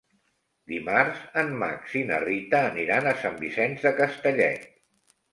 Dimarts en Max i na Rita aniran a Sant Vicenç de Castellet.